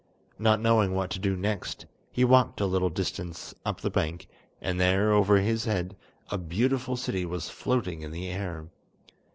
Not knowing what to do next, he walked a little distance up the bank, and there, over his head, a beautiful city was floating in the air.